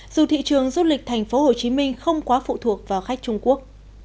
dù thị trường du lịch tp hcm không quá phụ thuộc vào khách trung quốc